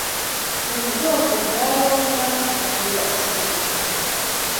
Ubu bwoko bwa roza bukura ishyamba.